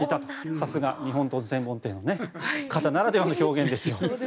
さすが、日本刀専門店の方ならではの表現ですよ。